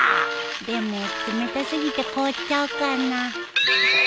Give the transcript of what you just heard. でも冷た過ぎて凍っちゃうかな。